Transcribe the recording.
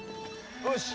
よし。